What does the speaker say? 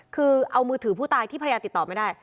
คือเอามือถือผู้ตายที่ภรรยาติดต่อไม่ได้